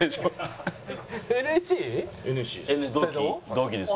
同期です。